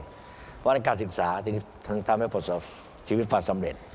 ได้มีโอกาสเรียนเพราะว่าการศึกษาถึงทำให้ชีวิตความสำเร็จ